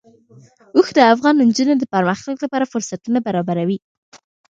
اوښ د افغان نجونو د پرمختګ لپاره فرصتونه برابروي.